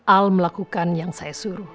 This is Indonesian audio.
al melakukan yang saya suruh